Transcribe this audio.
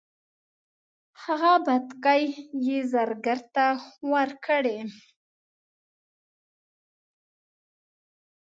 هغه بتکۍ یې زرګر ته ورکړې.